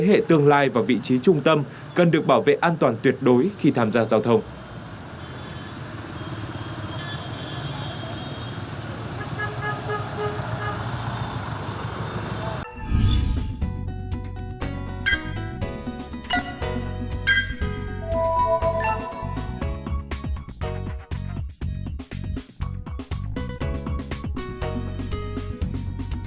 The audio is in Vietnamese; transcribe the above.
hẹn gặp lại các bạn trong những video tiếp theo